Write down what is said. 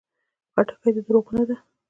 خټکی د دروغو نه ده.